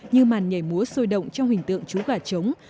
như màn nhảy múa sôi động trong hình tượng chú gà trống